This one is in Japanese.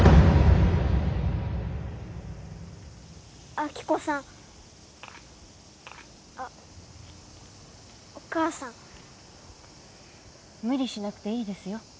亜希子さんあっお母さん無理しなくていいですよ